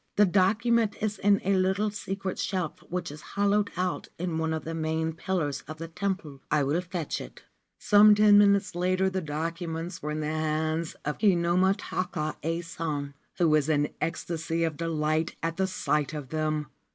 The document is in a little secret shelf which is hollowed out in one of the main pillars of the temple. I will fetch it.' Some ten minutes later the documents were in the hands of Kinomi ta ka Ason, who was in ecstasy of delight at the sight of them.